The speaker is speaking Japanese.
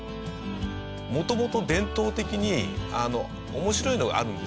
元々伝統的に面白いのがあるんですよ。